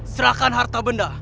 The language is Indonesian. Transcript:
serahkan harta benda